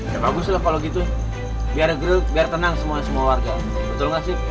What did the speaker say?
ya bagus lah kalau gitu biar gerut biar tenang semua semua warga betul nggak sih